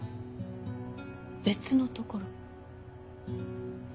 別のところ？